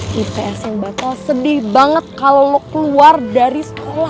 anak anak ips yang bakal sedih banget kalo lo keluar dari sekolah